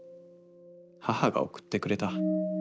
母が送ってくれた。